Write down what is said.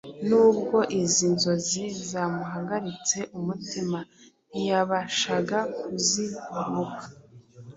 Nubwo izi nzozi zamuhagaritse umutima, ntiyabashaga kuzibuka.